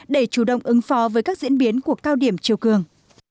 để chủ động ứng phó với các diễn biến của cao điểm chiều cường